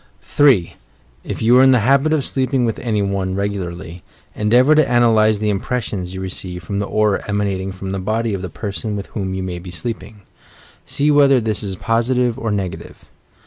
3. If you are in the habit of sleeping with any one regularly, endeavour to analyse the impressions you receive from the aura emanating from the body of the person with whom you may be sleeping. See whether this is positive or negative.